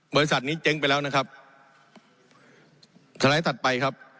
บริษัทนี้เจ๊งไปแล้วนะครับสไลด์ถัดไปครับ